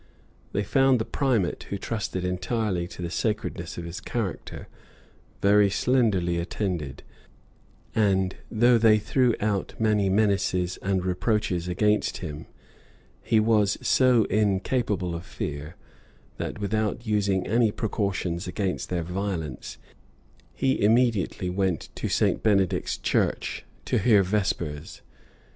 They found the primate, who trusted entirely to the sacredness of his character, very slenderly attended; and though they threw out many menaces and reproaches against him, he was so incapable of fear, that, without using any precautions against their violence, he immediately went to St. Benedict's church, to hear vespers.